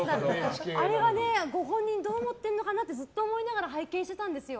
あれはご本人どう思ってるのかなとずっと思いながら拝見してたんですよ。